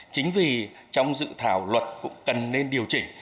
chính vì trong dự thảo luật cũng cần nên điều chỉnh